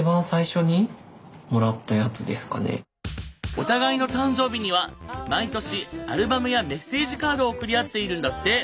お互いの誕生日には毎年アルバムやメッセージカードを送り合っているんだって。